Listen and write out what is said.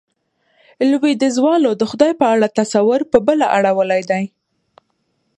لوېديځوالو د خدای په اړه تصور، په بله اړولی دی.